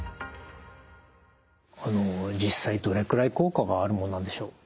実際どれくらい効果があるものなんでしょう？